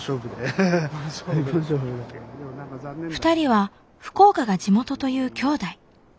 ２人は福岡が地元という兄弟。